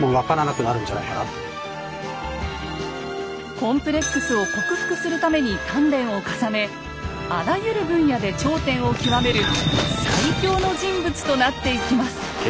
コンプレックスを克服するために鍛練を重ねあらゆる分野で頂点を極める最強の人物となっていきます。